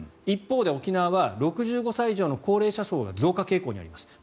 一方で沖縄は６５歳以上の高齢者層が増加傾向にあります。